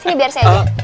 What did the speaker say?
sini biar saya aja